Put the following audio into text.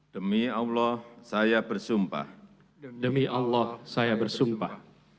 demi allah saya bersumpah